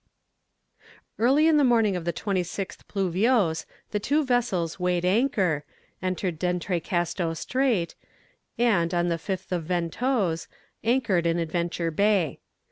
Early in the morning of the 26th Pluviose the two vessels weighed anchor, entered D'Entrecasteaux Strait, and, on the 5th of Ventose, anchored in Adventure Bay.